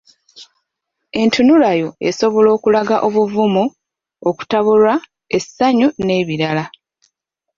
Entunulayo esobola okulaga obuvumu ,okutabulwa, essanyu n’ebirala.